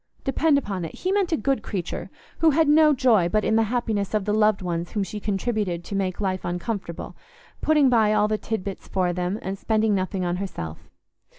Depend upon it, he meant a good creature, who had no joy but in the happiness of the loved ones whom she contributed to make uncomfortable, putting by all the tid bits for them and spending nothing on herself.